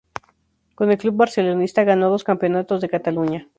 Con el club barcelonista ganó dos campeonatos de Cataluña.